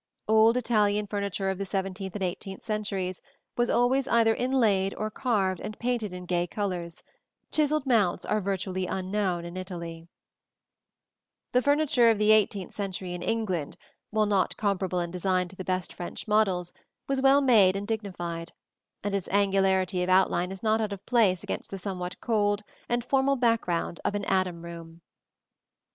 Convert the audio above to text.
Old Italian furniture of the seventeenth and eighteenth centuries was always either inlaid or carved and painted in gay colors: chiselled mounts are virtually unknown in Italy. [Illustration: PLATE XXXVII. ROOM IN THE PALACE OF FONTAINEBLEAU. LOUIS XV PANELLING, LOUIS XVI FURNITURE.] The furniture of the eighteenth century in England, while not comparable in design to the best French models, was well made and dignified; and its angularity of outline is not out of place against the somewhat cold and formal background of an Adam room.